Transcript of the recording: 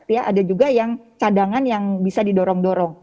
ya ada juga yang cadangan yang bisa didorong dorong